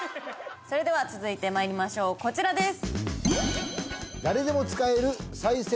それでは続いてまいりましょうこちらです